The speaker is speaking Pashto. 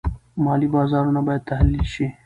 مالي بازارونه باید تحلیل شي.